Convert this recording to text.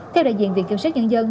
theo đại diện viện kiểm soát nhân dân